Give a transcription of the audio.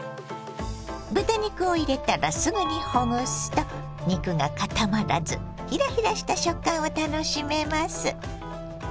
豚肉を入れたらすぐにほぐすと肉が固まらずひらひらした食感を楽しめます。